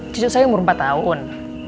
cucu saya umur empat tahun